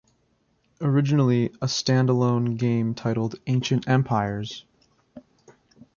Originally a stand-alone game titled Ancient Empires!